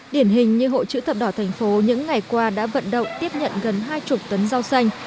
điển hình như hội chữ thập đỏ thành phố những ngày qua đã vận động tiếp nhận gần hai mươi tấn rau xanh